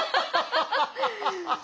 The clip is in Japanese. ハハハハ！